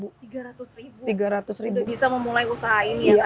sudah bisa memulai usaha ini ya kak ya